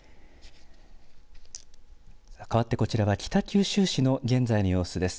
かわってこちらは北九州市の現在の様子です。